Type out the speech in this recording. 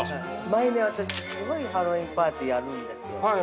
◆毎年、私、すごいハロウィーンパーティーやるんですよ。